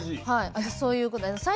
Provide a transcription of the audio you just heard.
はいそういうことで。